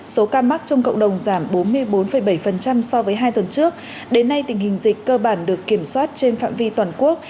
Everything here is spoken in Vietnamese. số ca mắc trong cộng đồng giảm bốn mươi bốn bảy so với hai tuần trước đến nay tình hình dịch cơ bản được kiểm soát trên phạm vi toàn quốc